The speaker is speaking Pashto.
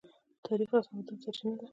تاریخ د تمدن سرچینه ده.